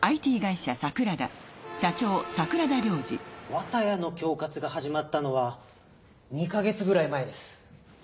綿谷の恐喝がはじまったのは２か月くらい前です。